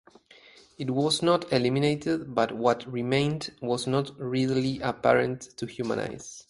It was not eliminated, but what remained was not readily apparent to human eyes.